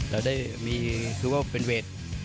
เราได้มีคือว่าเป็นเวท